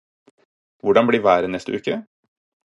Hvordan blir været neste uke?